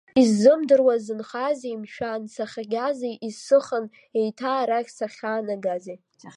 Исзымдыруа сзынхазеи, мшәан, сахьагази исыхан еиҭа арахь сахьаанагази.